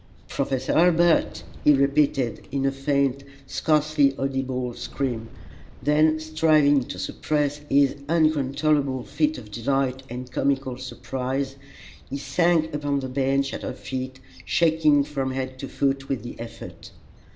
"Professor Hurlbut!" he repeated, in a faint, scarcely audible scream; then, striving to suppress his uncontrollable fit of delight and comical surprise, he sank upon the bench at her feet, shaking from head to foot with the effort.